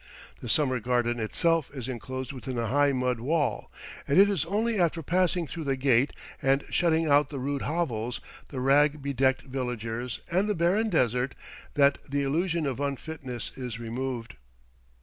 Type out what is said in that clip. The summer garden itself is enclosed within a high mud wall, and it is only after passing through the gate and shutting out the rude hovels, the rag bedecked villagers, and the barren desert, that the illusion of unfitness is removed.